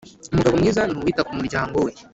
Umugabo mwiza nuwita kumuryango we